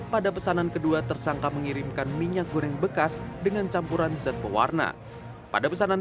pada pesanan kedua tersangka mengirimkan minyak goreng bekas dengan campuran zat pewarna pada pesanan